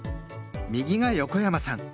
右が横山さん